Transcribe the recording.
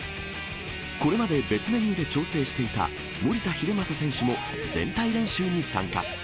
これまで別メニューで調整していた守田英正選手も、全体練習に参加。